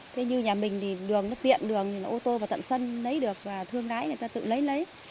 thế như nhà mình thì đường nó tiện đường thì nó ô tô vào tận sân lấy được và thương đáy người ta tự lấy lấy